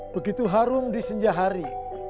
begitu harum di senjah hari